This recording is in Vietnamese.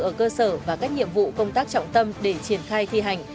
ở cơ sở và các nhiệm vụ công tác trọng tâm để triển khai thi hành